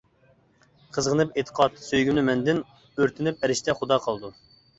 قىزغىنىپ ئېتىقاد، سۆيگۈمنى مەندىن، ئۆرتىنىپ ئەرشتە خۇدا قالىدۇ.